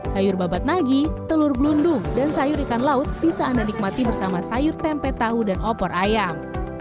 sayur babat nagi telur belundung dan sayur ikan laut bisa anda nikmati bersama sayur tempe tahu dan opor ayam